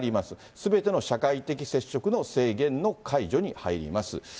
すべての社会的接触の制限の解除に入ります。